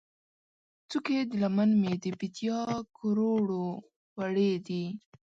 څوکې د لمن مې، د بیدیا کروړو ، وړې دي